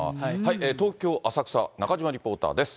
東京・浅草、中島リポーターです。